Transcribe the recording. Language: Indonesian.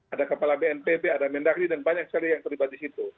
ada kepala bnpb ada mendagri dan banyak sekali yang terlibat di situ